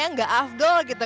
kayaknya gak afdol gitu